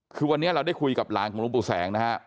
คือวันนี้เราได้คุยกับหลานของหลวงปู่แสงนะฮะ